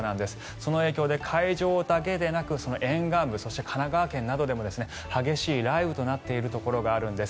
その影響で海上だけじゃなく沿岸部そして神奈川県などでも激しい雷雨となっているところがあるんです。